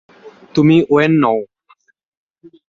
তুমি ওয়েন নও।